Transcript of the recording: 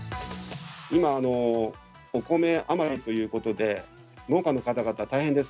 今、お米余りということで、農家の方々大変です。